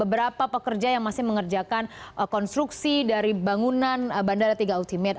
beberapa pekerja yang masih mengerjakan konstruksi dari bangunan bandara tiga ultimate